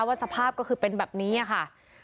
สภาพก็คือเป็นแบบนี้ค่ะ